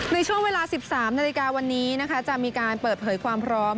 ในช่วงเวลา๑๓นาฬิกาวันนี้นะคะจะมีการเปิดเผยความพร้อม